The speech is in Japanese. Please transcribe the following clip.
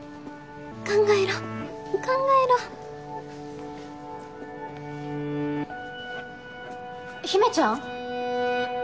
考えろ考えろ陽芽ちゃん？